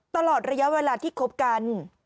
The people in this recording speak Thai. ตลอดระยะเวลาที่คบกัน